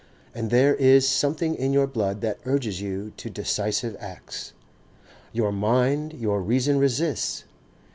And there is something in your blood that urges you to decisive acts. Your mind, your reason resists.